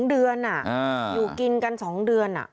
๒เดือนอ่ะอยู่กินกัน๒เดือนอ่ะ